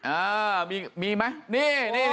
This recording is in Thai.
อ่ามีมั้ยนี้